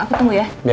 aku tunggu ya